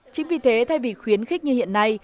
chính vì thế thay vì khuyến khích như hiện nay